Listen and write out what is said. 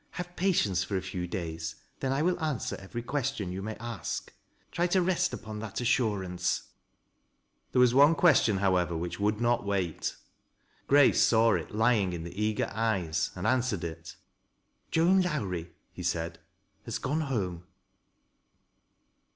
" Have patience for a few days and then 1 will answer every question you may ask. Try to roa! apon that assurance." A TESTIMONIAL. 247 There was one question, however, which would not wait. Grace saw it lying in the eager eyes and answered it " Joan Lowrie," he said, " has gone home."